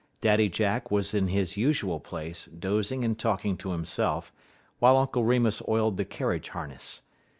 Daddy Jack was in his usual place, dozing and talking to himself, while Uncle Remus oiled the carriage harness.